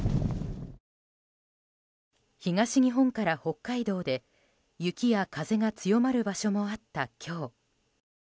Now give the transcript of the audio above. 東日本から北海道で、雪や風が強まる場所もあった今日。